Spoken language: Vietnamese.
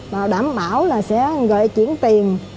và đảm bảo là sẽ gọi chuyển tiền